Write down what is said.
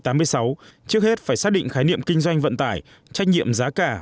trước hết phải xác định khái niệm kinh doanh vận tải trách nhiệm giá cả